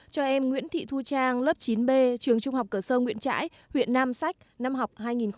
cho em nguyễn thị thu trang lớp chín b trường trung học cờ sơ nguyễn trãi huyện nam sách năm học hai nghìn một mươi năm hai nghìn một mươi sáu